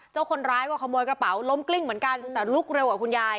คนร้ายก็ขโมยกระเป๋าล้มกลิ้งเหมือนกันแต่ลุกเร็วกว่าคุณยาย